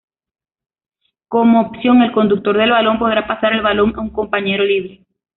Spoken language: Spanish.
Como opción, el conductor del balón podrá pasar el balón a un compañero libre.